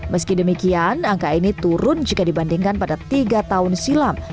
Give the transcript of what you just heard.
meski demikian angka ini turun jika dibandingkan pada tiga tahun silam